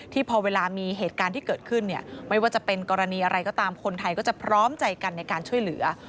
พอเวลามีเหตุการณ์ที่เกิดขึ้นเนี่ยไม่ว่าจะเป็นกรณีอะไรก็ตามคนไทยก็จะพร้อมใจกันในการช่วยเหลือ